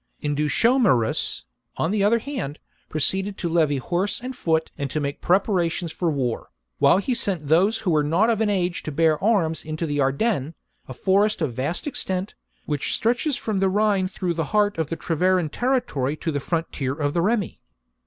/ Indutiomarus, on the other hand, proceeded to levy horse and foot and to make preparations for war, while he sent those who were not of an age to bear arms into the Ardennes, a forest of vast extent, which stretches from the Rhine through the heart of the Treveran territory to the frontier of the Remi.